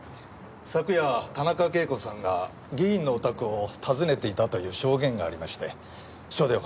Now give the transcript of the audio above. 昨夜田中啓子さんが議員のお宅を訪ねていたという証言がありまして署でお話を。